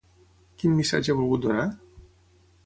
Quin missatge ha volgut donar?